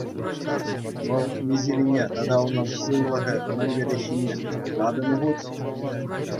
Вӑл миҫерине тата унӑн сывлӑхе мӗнлереххине чухлатӑн-и хуть?